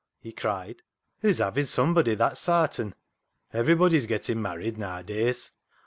he cried, " hoo's having sumbry, that's sartin ; everybody's gettin' married na'adays.